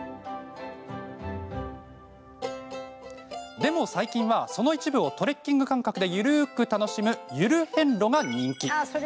でも、最近はその一部をトレッキング感覚で緩く楽しむ、ゆる遍路が人気。